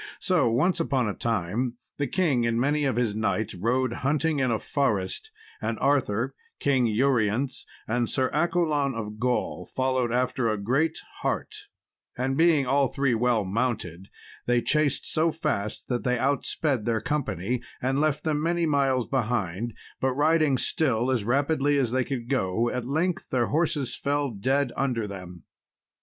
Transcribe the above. So once upon a time the king and many of his knights rode hunting in a forest, and Arthur, King Urience, and Sir Accolon of Gaul, followed after a great hart, and being all three well mounted, they chased so fast that they outsped their company, and left them many miles behind; but riding still as rapidly as they could go, at length their horses fell dead under them.